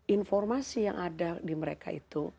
informasi yang ada di mereka itu